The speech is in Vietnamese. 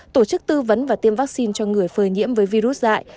tổ chức tư vấn và tiêm vaccine cho người phơi nhiễm với virus dại